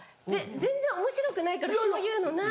全然おもしろくないからそういうのない。